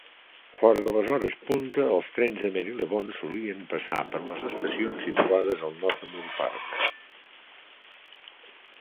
Fora de les hores punta, els trens de Marylebone solien passar per les estacions situades al nord de Moor Park.